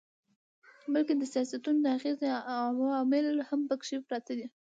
بلکي د سياستونو د اغېز عوامل هم پکښې پراته دي